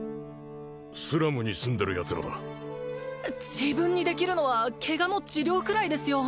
スラムに住んでるヤツらだ自分にできるのはケガの治療くらいですよ